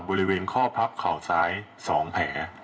บริเวณข้อพับเข่าซ้าย๒แผล